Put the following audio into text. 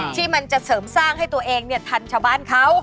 ที่มันจะเสริมสร้างให้ตัวเองทันชาวบ้านเขา